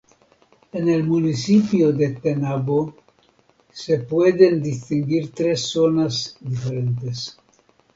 En el municipio de Tenabo se pueden distinguir tres zonas diferentes.